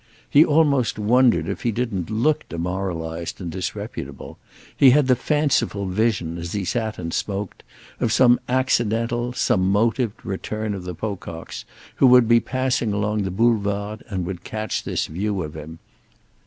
He almost wondered if he didn't look demoralised and disreputable; he had the fanciful vision, as he sat and smoked, of some accidental, some motived, return of the Pococks, who would be passing along the Boulevard and would catch this view of him.